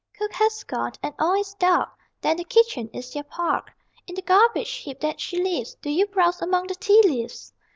Cook has gone, and all is dark Then the kitchen is your park: In the garbage heap that she leaves Do you browse among the tea leaves?